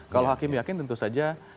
kalau hakim yakin tentu saja